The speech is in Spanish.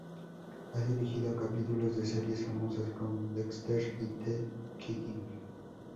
Ha dirigido capítulos de series famosas como "Dexter" y "The Killing".